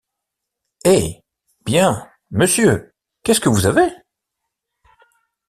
Eh ! Bien, monsieur, quʼest-ce que vous avez ?